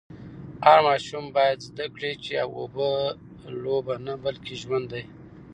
هر ماشوم باید زده کړي چي اوبه لوبه نه بلکې ژوند دی.